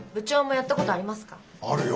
あるよ